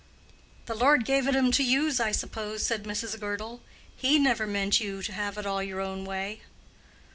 "The Lord gave it 'em to use, I suppose," said Mrs. Girdle. "He never meant you to have it all your own way."